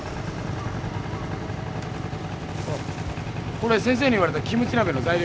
これ先生に言われたキムチ鍋の材料。